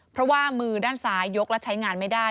เพราะว่ามือด้านซ้ายยกและใช้งานไม่ได้